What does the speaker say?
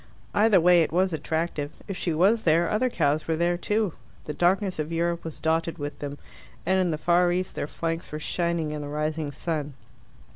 Either way it was attractive. If she was there, other cows were there too. The darkness of Europe was dotted with them, and in the far East their flanks were shining in the rising sun.